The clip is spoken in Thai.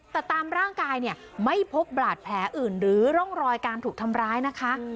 แต่ตามร่างกายเนี่ยไม่พบบาดแผลอื่นหรือร่องรอยการถูกทำร้ายนะคะ